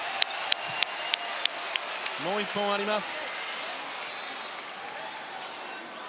もう１本あります。